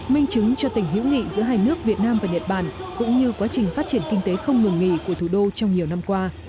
minh chứng cho tình hữu nghị giữa hai nước việt nam và nhật bản cũng như quá trình phát triển kinh tế không ngừng nghỉ của thủ đô trong nhiều năm qua